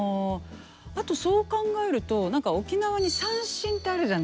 あとそう考えると沖縄に三線ってあるじゃないですか。